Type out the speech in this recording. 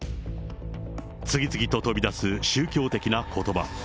次々と飛び出す宗教的なことば。